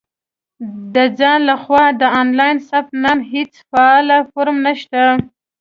• د ځان له خوا د آنلاین ثبت نام هېڅ فعاله فورم نشته.